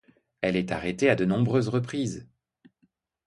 Elle est arrêtée à de nombreuses reprises.